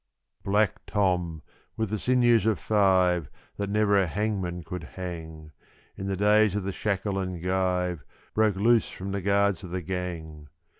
_ Black Tom, with the sinews of five that never a hangman could hang In the days of the shackle and gyve, broke loose from the guards of the gang.